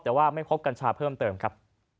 แต่ว่าไม่พบกัญชาเพิ่มเติมครับ